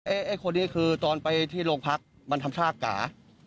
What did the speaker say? ไอ้คนนี้คือตอนไปที่โรงพักมันทำชาก๋า